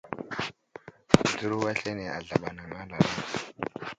Dzəro aslane azlaɓ anaŋ alala.